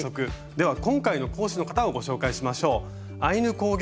では今回の講師の方をご紹介しましょう。